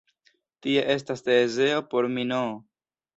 Tia estas Tezeo por Minoo.